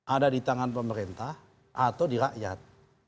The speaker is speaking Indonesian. ada di tangan pemerintah atau di rakyat